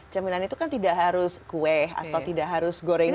cemilan itu kan tidak harus kue atau tidak harus goreng